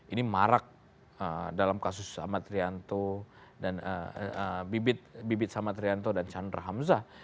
ini marak dalam kasus amat rianto dan bibit sama trianto dan chandra hamzah